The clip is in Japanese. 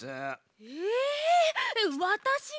えわたしが？